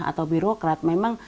atau birokrat memang